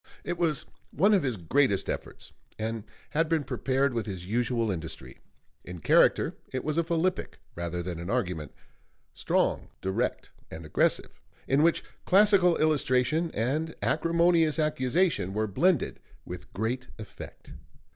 It was one of his greatest efforts, and had been prepared with his usual industry. In character it was a philippic rather than an argument, strong, direct, and aggressive, in which classical illustration and acrimonious accusation were blended with great effect.